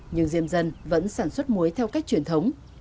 nhưng diêm dân vẫn sản xuất muối theo cách truyền thống